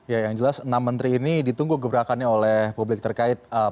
ya yang jelas enam menteri ini ditunggu gebrakannya oleh publik terkait